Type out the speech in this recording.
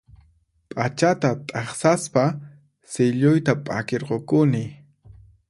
P'achata t'aqsaspa silluyta p'akirqukuni